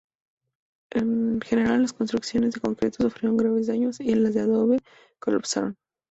En general, las construcciones de concreto sufrieron graves daños y las de adobe colapsaron.